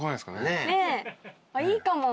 いいかも。